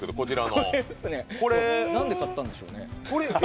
なんで買ったんでしょうね。